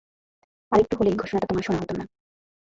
আরেকটু হলেই ঘোষণাটা তোমার শোনা হতো না।